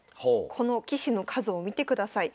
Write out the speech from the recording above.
この棋士の数を見てください。